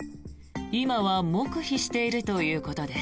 今は黙秘しているということです。